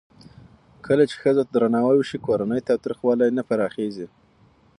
کله چې ښځو ته درناوی وشي، کورنی تاوتریخوالی نه پراخېږي.